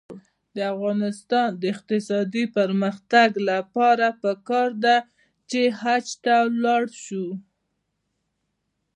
د افغانستان د اقتصادي پرمختګ لپاره پکار ده چې حج ته لاړ شو.